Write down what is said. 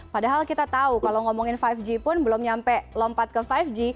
padahal kita tahu kalau ngomongin lima g pun belum nyampe lompat ke lima g